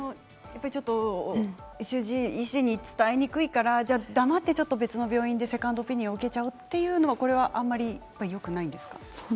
医師に伝えにくいからと思って黙って別の病院でセカンドオピニオンを受けちゃうというのはよくないですか？